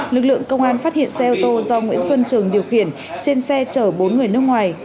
lực lượng công an phát hiện xe ô tô do nguyễn xuân trường điều khiển trên xe chở bốn người nước ngoài